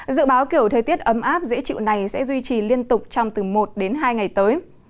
dự báo kiểu thời tiết ấm áp dễ chịu này sẽ duy trì liên tục trong từ một đến hai ngày tới